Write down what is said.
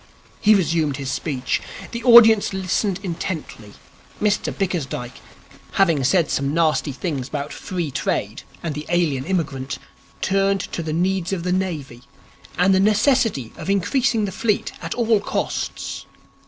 He resumed his speech. The audience listened intently. Mr Bickersdyke, having said some nasty things about Free Trade and the Alien Immigrant, turned to the Needs of the Navy and the necessity of increasing the fleet at all costs.